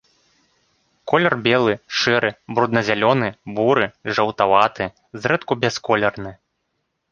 Колер белы, шэры, брудна-зялёны, буры, жаўтаваты, зрэдку бясколерны.